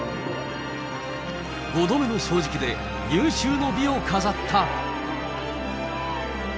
５度目の正直で、有終の美を飾った。